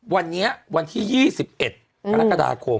วันนี้วันที่๒๑กรกฎาคม